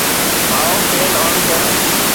ڀاءُ، fan on ڪر